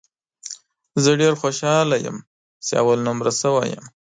زه ډېر خوشاله یم ، چې اول نمره سوی یم